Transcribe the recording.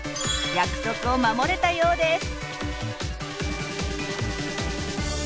約束を守れたようです！